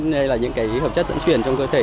nên là những cái hợp chất dẫn truyền trong cơ thể